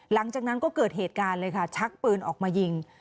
หลังจากนั้นก็เกิดเหตุการณ์เลยค่ะชักปืนออกมายิง